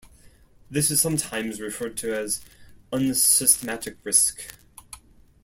This is sometimes referred to as "unsystematic risk".